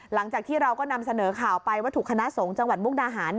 หลังจากที่เราก็นำเสนอข่าวไปว่าถูกคณะสงฆ์จังหวัดมุกดาหาร